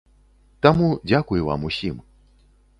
Таму дзякуй вам усім.